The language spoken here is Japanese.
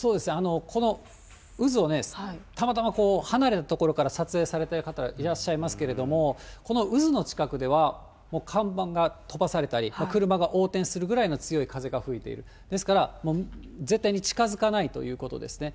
この渦をたまたま離れた所から撮影されてる方、いらっしゃいますけれども、この渦の近くでは、もう看板が飛ばされたり、車が横転するぐらいの強い風が吹いている、ですから、絶対に近づかないということですね。